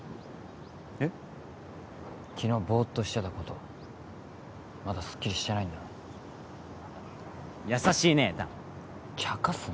えっ昨日ぼーっとしてたことまだすっきりしてないんだろ優しいね弾